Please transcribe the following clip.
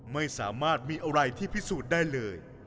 ไม่สามารถมีอะไรที่พิสูจน์ได้เลย